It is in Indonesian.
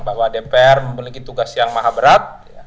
bahwa dpr memiliki tugas yang maha berat